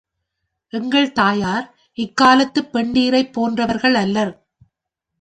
எங்கள் தாயார் இக்காலத்துப் பெண்டிரைப் போன்றவர்கள் அல்லர்.